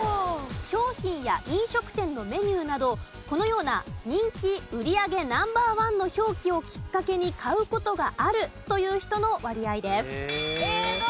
商品や飲食店のメニューなどこのような「人気売上Ｎｏ．１」の表記をきっかけに買う事があるという人の割合です。